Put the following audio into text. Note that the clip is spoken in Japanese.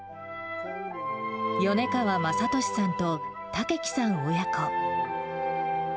米川正利さんと岳樹さん親子。